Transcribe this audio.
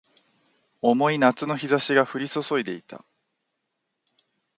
重い夏の日差しが降り注いでいた